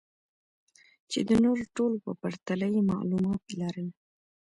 چې د نورو ټولو په پرتله يې معلومات لرل.